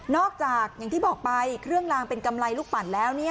จากอย่างที่บอกไปเครื่องลางเป็นกำไรลูกปั่นแล้ว